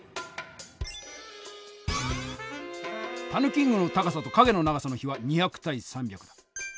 キングの高さと影の長さの比は２００対３００。